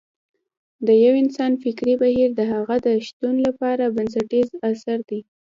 د يو انسان فکري بهير د هغه د شتون لپاره بنسټیز عنصر دی.